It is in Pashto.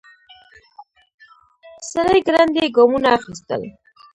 سړی ګړندي ګامونه اخيستل.